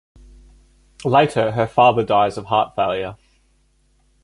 Later her father dies of heart failure.